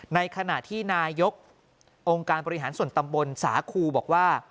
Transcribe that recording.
ในขณะที่นายกองค์การบริหารส่วนตำบลสาคูบอกว่า